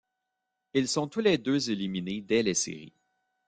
Ils sont tous les deux éliminés dès les séries.